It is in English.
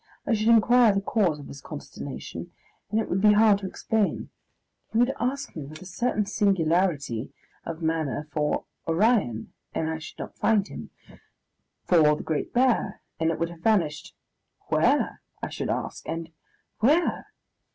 I should inquire the cause of his consternation, and it would be hard to explain. He would ask me with a certain singularity of manner for "Orion," and I should not find him; for the Great Bear, and it would have vanished. "Where?" I should ask, and "where?"